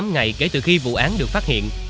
tám ngày kể từ khi vụ án được phát hiện